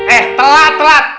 eh telat telat